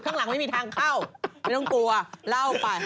ข้างหลังไม่มีทางเข้า